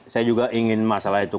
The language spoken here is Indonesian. saya juga ingin masalah itu